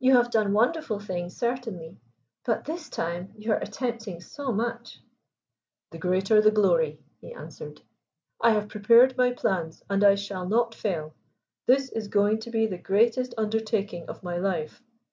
"You have done wonderful things, certainly. But this time you are attempting so much." "The greater the glory!" he answered. "I have prepared my plans, and I shall not fail. This is going to be the greatest undertaking of my life.